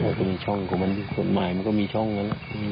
มันมีช่องของมันส่วนใหม่มันก็มีช่องกันอ่ะ